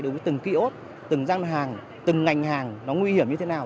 đối với từng kỹ ốt từng gian hàng từng ngành hàng nó nguy hiểm như thế nào